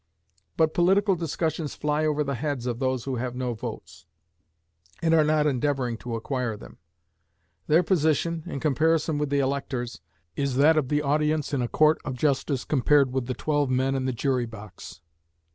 But political discussions fly over the heads of those who have no votes, and are not endeavouring to acquire them. Their position, in comparison with the electors, is that of the audience in a court of justice compared with the twelve men in the jury box.